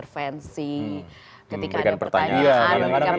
mungkin yang diharapkan oleh masyarakat itu